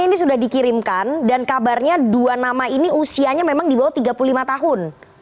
ini sudah dikirimkan dan kabarnya dua nama ini usianya memang di bawah tiga puluh lima tahun